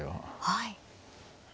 はい。